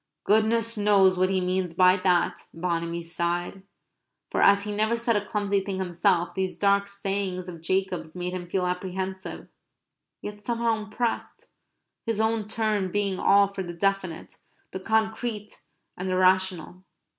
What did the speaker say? "Goodness knows what he means by that," Bonamy sighed. For as he never said a clumsy thing himself, these dark sayings of Jacob's made him feel apprehensive, yet somehow impressed, his own turn being all for the definite, the concrete, and the rational.